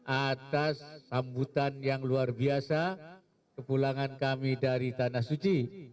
atas sambutan yang luar biasa kepulangan kami dari tanah suci